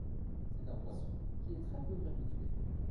C’est un poisson qui est très peu vermiculé.